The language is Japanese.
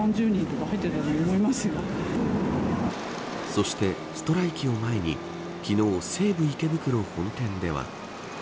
そしてストライキを前に昨日、西武池袋本店では。